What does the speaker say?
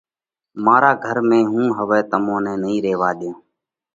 مارا گھر ۾ هُون هوَئہ تمون نئہ نئين ريوا ۮيو۔